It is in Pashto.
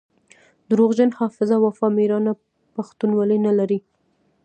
دروغجن حافظه وفا ميړانه پښتونولي نلري